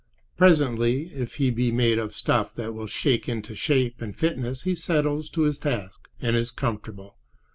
Presently, if he be made of stuff that will shake into shape and fitness, he settles to his tasks and is comfortable.